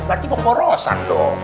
berarti pemborosan dong